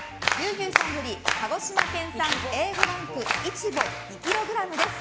牛さんより鹿児島県産Ａ５ランク、イチボ２ｋｇです。